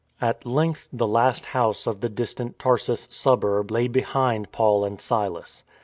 At length the last house of the distant Tarsus sub urb lay behind Paul and Silas.